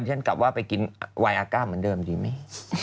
ฉันกลับว่าไปกินไวอาก้าเหมือนเดิมดีไหม